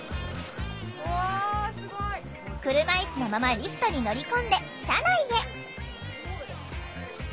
車いすのままリフトに乗り込んで車内へ。